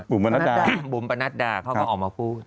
นัดดาบุ๋มประนัดดาเขาก็ออกมาพูด